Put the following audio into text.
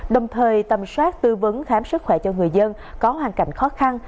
đồng thời tầm soát tư vấn khám sức khỏe cho người dân có hoàn cảnh khó khăn